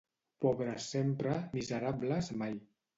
Pobres sempre, miserables mai.